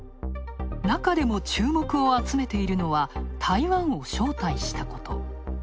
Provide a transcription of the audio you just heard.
中でも注目を集めているのは台湾を招待したこと。